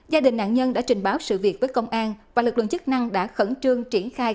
gia đình nạn nhân đã trình báo sự việc với công an và lực lượng chức năng đã khẩn trương triển khai